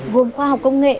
gồm khoa học công nghệ